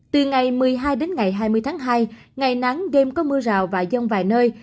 từ ngày một mươi hai đến ngày hai mươi tháng hai ngày nắng đêm có mưa rào và dông vài nơi